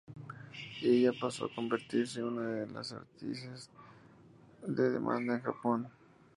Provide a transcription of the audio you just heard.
Ella pasó a convertirse en una de las actrices en demanda en Japón.